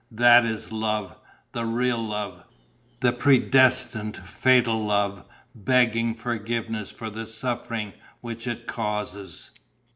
That is love, the real love, the predestined, fatal love, begging forgiveness for the suffering which it causes."